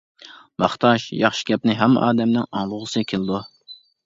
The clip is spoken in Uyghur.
ماختاش ياخشى گەپنى ھەممە ئادەمنىڭ ئاڭلىغۇسى كېلىدۇ.